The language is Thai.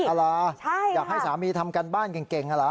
อยากให้สามีทำการบ้านเก่งเหรอ